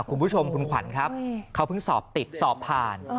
คุณผู้ชมคุณขวัญครับเขาเพิ่งสอบติดสอบผ่าน